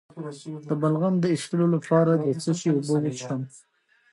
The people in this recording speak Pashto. د بلغم د ایستلو لپاره د څه شي اوبه وڅښم؟